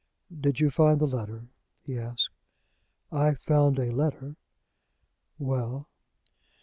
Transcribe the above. "Did you find the letter?" he asked. "I found a letter." "Well!"